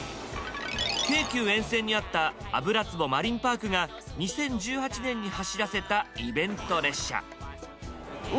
京急沿線にあった油壺マリンパークが２０１８年に走らせたイベント列車。